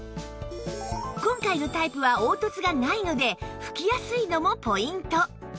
今回のタイプは凹凸がないので拭きやすいのもポイント